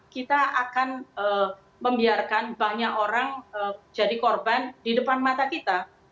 kita akan membiarkan banyak orang jadi korban di depan mata kita